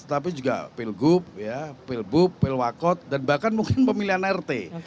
tetapi juga pilgub pilbub pilwakot dan bahkan mungkin pemilihan rt